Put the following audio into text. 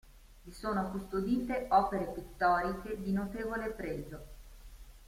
Vi sono custodite opere pittoriche di notevole pregio.